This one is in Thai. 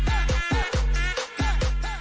จะหันซ้ายหันขวาก็หล่อไปไว้